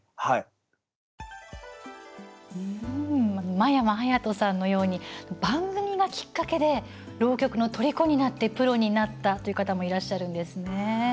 真山隼人さんのように番組がきっかけで浪曲のとりこになってプロになったという方もいらっしゃるんですね。